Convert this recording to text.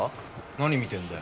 何見てんだよ。